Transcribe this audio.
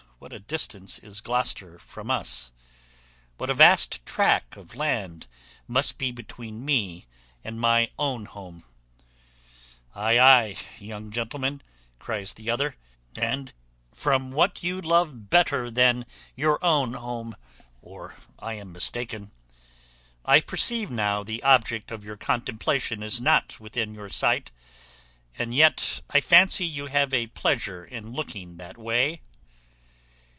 what a distance is Gloucester from us! What a vast track of land must be between me and my own home!" "Ay, ay, young gentleman," cries the other, "and by your sighing, from what you love better than your own home, or I am mistaken. I perceive now the object of your contemplation is not within your sight, and yet I fancy you have a pleasure in looking that way."